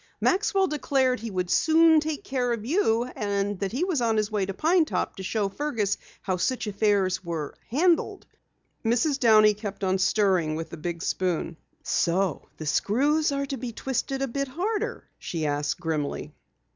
Maxwell declared he would soon take care of you, and that he was on his way to Pine Top to show Fergus how such affairs were handled." Mrs. Downey kept on stirring with the big spoon. "So the screws are to be twisted a bit harder?" she asked grimly.